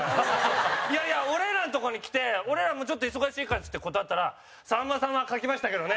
いやいや、俺らのとこに来て俺らも、ちょっと忙しいからっつって断ったら「さんまさんは書きましたけどね」